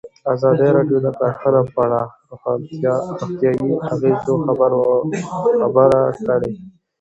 ازادي راډیو د کرهنه په اړه د روغتیایي اغېزو خبره کړې.